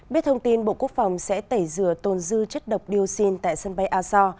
biết thông tin bộ quốc phòng sẽ tẩy rửa tồn dư chất độc dioxin tại sân bay aso